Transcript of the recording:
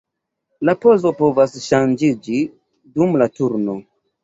La pozo povas ŝanĝiĝi dum la turno.